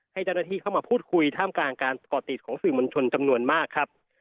ให้เจ้าหน้าที่เข้ามาพูดคุยท่ามกลางการก่อติดของสื่อมวลชนจำนวนมากครับ